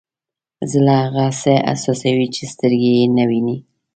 زړه هغه څه احساسوي چې سترګې یې نه ویني.